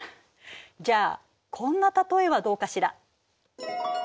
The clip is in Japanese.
じゃあこんな例えはどうかしら。